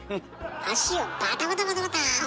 足をバタバタバタバタはダメか。